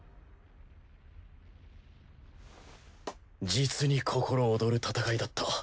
実に心躍る闘いだった。